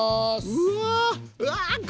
うわ！